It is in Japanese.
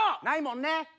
ないもんね！